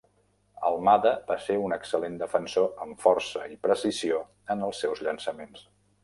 Almada va ser un excel·lent defensor amb força i precisió en els seus llançaments.